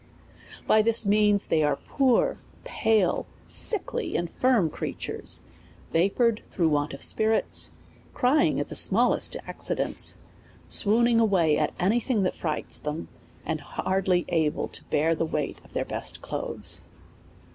* By this means they are poor, pale, sickly, infirm creatures, vapoured through want of spirits, crying at the smallest accidents, swooning away at any thing that frights them, and hardly able to bear the weight of their best clothes.